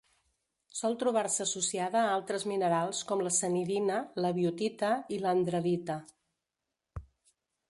Sol trobar-se associada a altres minerals com la sanidina, la biotita i l'andradita.